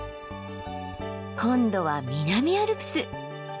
今度は南アルプス。